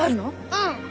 うん！